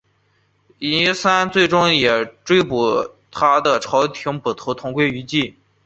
倪三最终也与追捕他的朝廷捕头同归于尽。